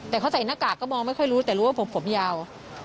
แต่เขาใส่หน้ากากก็มองไม่ค่อยรู้แต่รู้ว่าผมยาว